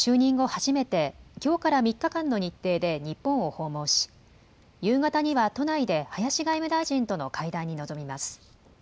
初めてきょうから３日間の日程で日本を訪問し夕方には都内で林外務大臣との会談に臨みます。